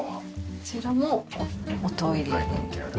こちらもおトイレで。